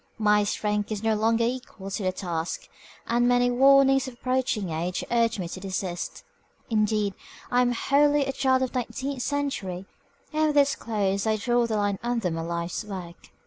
My strength is no longer equal to the task, and many warnings of approaching age urge me to desist. Indeed, I am wholly a child of the nineteenth century, and with its close I draw the line under my life's work.